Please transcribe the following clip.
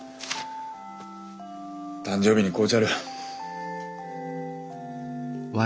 誕生日に買うちゃる。